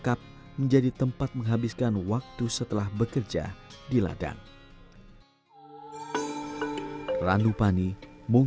kami berdoa untuk orang orang yang berkembang